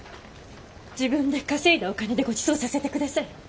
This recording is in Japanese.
自分で稼いだお金でごちそうさせて下さい。